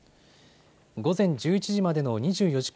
午前１１時までの２４時間